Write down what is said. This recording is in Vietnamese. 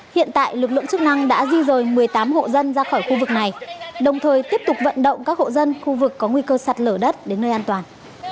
hiện tại lực lượng chức năng đã di rời một mươi tám hộ dân ra khỏi khu vực này đồng thời tiếp tục vận động các hộ dân khu vực có nguy cơ sạt lở đất đến nơi an toàn